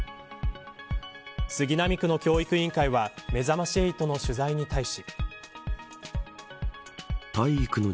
杉並区の教育委員会はめざまし８の取材に対し。